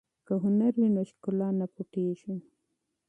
که هنر وي نو ښکلا نه پټیږي.